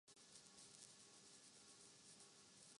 نہ کسی کو نشان حیدر ملا